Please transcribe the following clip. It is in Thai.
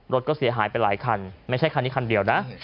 รถก็เสียหายไปหลายคันไม่ใช่คันนี้คันเดียวนะ